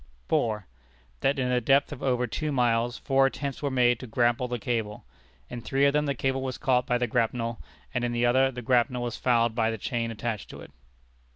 4. That in a depth of over two miles four attempts were made to grapple the cable. In three of them the cable was caught by the grapnel, and in the other the grapnel was fouled by the chain attached to it.